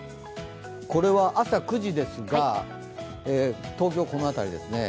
これは朝９時ですが、東京はこの辺りです。